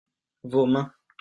vos mains.